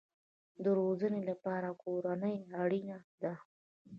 د روزنې لپاره کورنۍ اړین ده